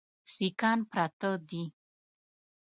سیکهان پراته دي.